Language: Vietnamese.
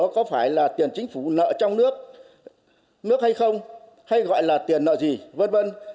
tiền đó có phải là tiền chính phủ nợ trong nước hay không hay gọi là tiền nợ gì vân vân